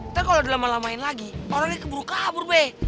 ntar kalau dilama lamain lagi orangnya keburu kabur be